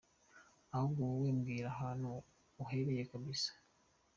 Ahubwo wowe mbwira ahantu uherereye kabisa.